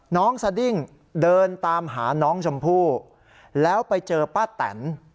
สดิ้งเดินตามหาน้องชมพู่แล้วไปเจอป้าแตน